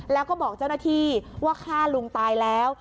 แล้วก็บอกเจ้าหน้าที่ว่าฆ่าลุงตายแล้ว